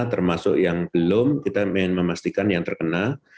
termasuk yang belum kita ingin memastikan yang terkenal